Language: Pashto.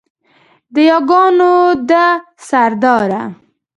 د یاګانو ده سرداره